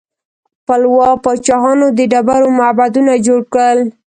پالوا پاچاهانو د ډبرو معبدونه جوړ کړل.